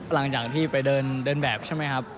หลังจากที่ไปเดินแบบใช่ไหมครับ